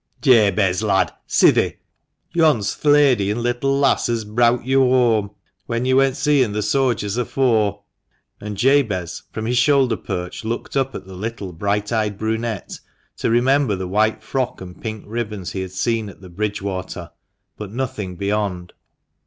"Jabez, lad, si thi; yon's th' lady and little lass as browt yo' whoam, when yo' went seein' the sodgers afore !" And Jabez, from his shoulder perch, looked up at the little bright eyed brunette, to remember the white frock and pink ribbons he had seen at the Bridgewater, but nothing beyond.